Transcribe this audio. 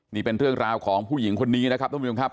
นี่เป็นเรื่องราวของผู้หญิงคนนี้นะครับท่านผู้ชมครับ